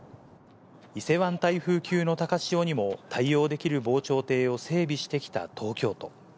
伊勢湾台風級の高潮にも対応できる防潮堤を整備してきた東京都。